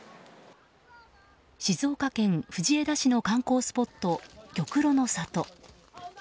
静岡県藤枝市の観光スポット玉露の里。